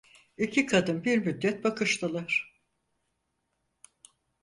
İki kadın bir müddet bakıştılar.